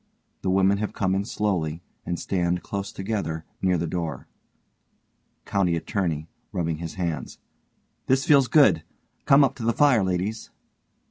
The women have come in slowly, and stand close together near the door_. COUNTY ATTORNEY: (rubbing his hands) This feels good. Come up to the fire, ladies.